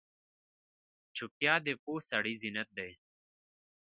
چوپتیا، د پوه سړي زینت دی.